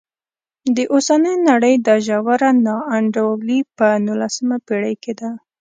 د اوسنۍ نړۍ دا ژوره نا انډولي په نولسمه پېړۍ کې ده.